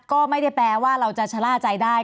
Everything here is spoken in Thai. ก็ไม่ได้แปลว่าเราจะชะล่าใจได้